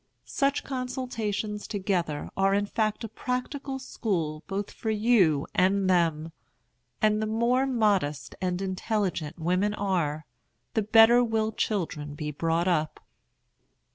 Such consultations together are in fact a practical school both for you and them; and the more modest and intelligent women are, the better will children be brought up.